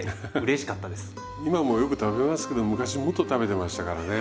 今もよく食べますけど昔もっと食べてましたからね。